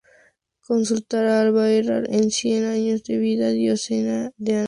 Consultar a Alba Herrera en "Cien años de vida diocesana en Áncash".